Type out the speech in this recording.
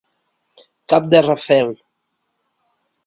Cap de rafel.